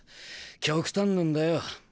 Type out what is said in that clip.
極端なんだよ。